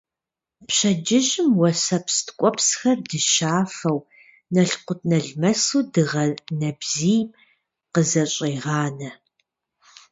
Пщэдджыжьым уэсэпс ткӀуэпсхэр дыщафэу, налкъутналмэсу дыгъэ нэбзийм къызэщӀегъанэ.